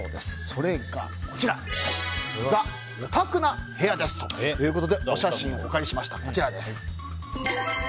それが、ザ・オタクな部屋ですということでお写真をお借りしました。